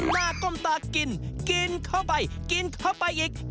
หน้าก้มตากินกินเข้าไปกินเข้าไปอีก